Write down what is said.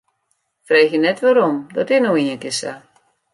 Freegje net wêrom, dat is no ienkear sa.